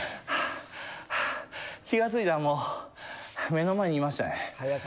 気が付いたらもう、目の前にいましたね。